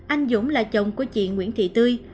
anh dũng là chồng của chị nguyễn thị tươi